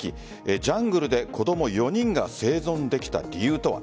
ジャングルで子供４人が生存できた理由とは。